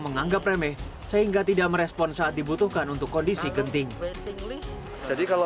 menganggap remeh sehingga tidak merespon saat dibutuhkan untuk kondisi genting jadi kalau